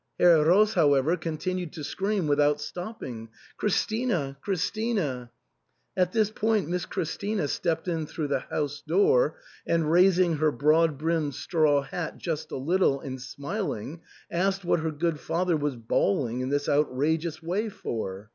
" Herr Roos, however, continued to scream without stopping, " Christina ! Christina !" At this point Miss Christina stepped in through the house door, and raising her broad brimmed straw hat just a little and smiling, asked what her good father was bawling in this outrageous way for.